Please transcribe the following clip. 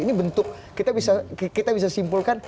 ini bentuk kita bisa simpulkan